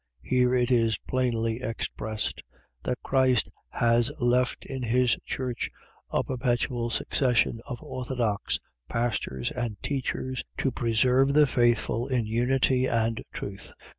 .Here it is plainly expressed, that Christ has left in his church a perpetual succession of orthodox pastors and teachers, to preserve the faithful in unity and truth.